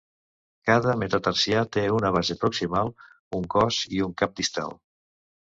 Cada metatarsià té una base proximal, un cos i un cap distal.